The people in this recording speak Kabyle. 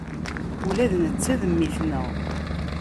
Ula d netta d mmi-tneɣ.